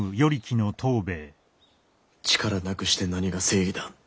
力なくして何が正義だ？